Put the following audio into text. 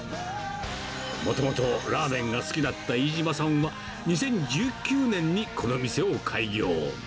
もともとラーメンが好きだった飯嶋さんは、２０１９年にこの店を開業。